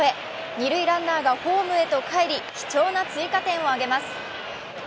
二塁ランナーがホームへと帰り、貴重な追加点を挙げます。